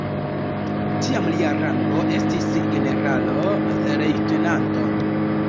Tiam lia rango estis generalo-leŭtenanto.